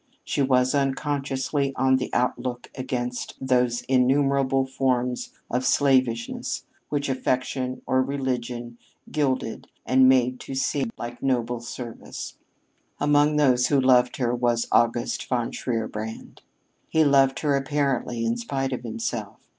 She was unconsciously on the outlook against those innumerable forms of slavishness which affection or religion gilded and made to seem like noble service. Among those who loved her was August von Shierbrand. He loved her apparently in spite of himself.